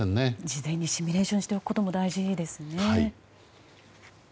事前にシミュレーションをしておくことも大事ですね。